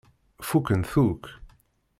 Fukken-t akk.